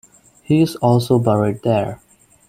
He is also buried there.